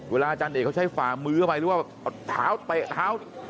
เวลาอาจารย์เอกเขาใช้ฝามือเข้าไปหรือว่าแบบท้าวเตะท้าว